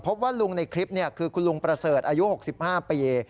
พบว่าลุงในคลิปคือคุณลุงประเสริฐอายุ๖๕ปี